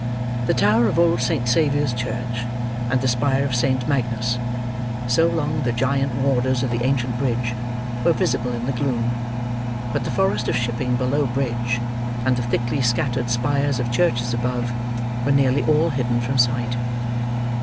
The tower of old Saint Saviour's Church, and the spire of Saint Magnus, so long the giant warders of the ancient bridge, were visible in the gloom; but the forest of shipping below bridge, and the thickly scattered spires of churches above, were nearly all hidden from sight.